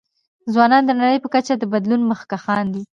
ځوانان د نړۍ په کچه د بدلون مخکښان دي.